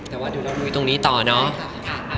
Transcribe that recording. แต่ว่าดูตอนนี้เนอะ